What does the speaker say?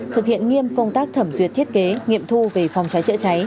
thực hiện nghiêm công tác thẩm duyệt thiết kế nghiệm thu về phòng cháy chữa cháy